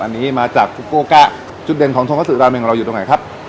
อันนี้มาจากจุดเด่นของราเมงเราอยู่ตรงไหนครับ